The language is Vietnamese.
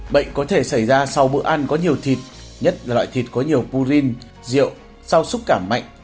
bệnh có thể xảy ra sau bữa ăn có nhiều thịt nhất là loại thịt có nhiều purin rượu sau xúc cảm mạnh